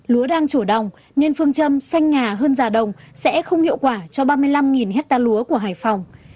lúa đang trổ đồng nên phương châm xanh nhà hơn già đồng sẽ không hiệu quả cho ba mươi năm hecta lúa của hải phòng